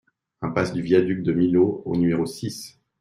Impasse du Viaduc de Millau au numéro six